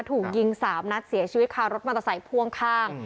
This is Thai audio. ถูกยิง๓นัดเสียชีวิตคารถมอเตอร์ไซค์พ่วงข้าง